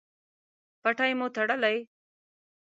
پټۍ مو تړلی؟